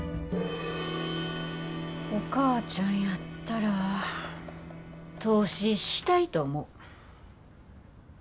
お母ちゃんやったら投資したいと思う。